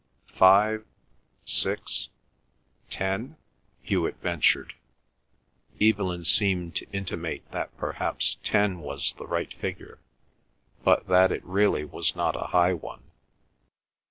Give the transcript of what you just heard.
"Five, six, ten?" Hewet ventured. Evelyn seemed to intimate that perhaps ten was the right figure, but that it really was not a high one.